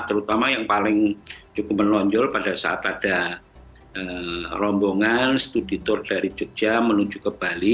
terutama yang paling cukup menonjol pada saat ada rombongan studi tour dari jogja menuju ke bali